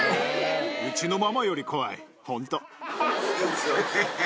うちのママより怖い、本当。